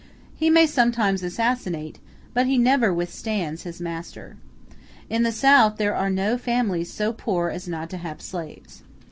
He may sometimes assassinate, but he never withstands, his master. In the South there are no families so poor as not to have slaves.